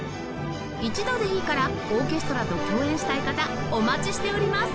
一度でいいからオーケストラと共演したい方お待ちしております